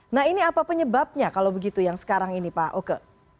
nah ini apa penyebabnya kalau begitu yang sekarang ini pak oke